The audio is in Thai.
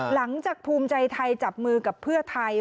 หลังจากภูมิใจไทยจับมือกับเพื่อไทย